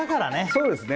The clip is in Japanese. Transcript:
そうですね